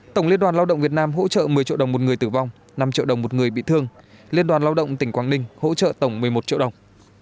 tổng liên đoàn lao động việt nam hỗ trợ một mươi triệu đồng một người tử vong năm triệu đồng một người bị thương liên đoàn lao động tỉnh quảng ninh hỗ trợ tổng một mươi một triệu đồng